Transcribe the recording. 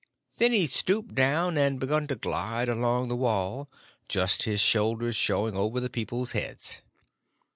Then he stooped down and begun to glide along the wall, just his shoulders showing over the people's heads.